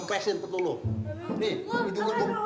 nih tidur lu